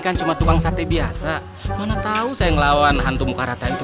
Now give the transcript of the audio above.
kan cuma tukang sate biasa mana tahu saya ngelawan hantu muka rata itu